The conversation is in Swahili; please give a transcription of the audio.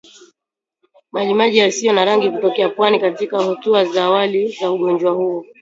Majimaji yasiyo na rangi kutokea puani katika hatua za awali za ugonjwa huu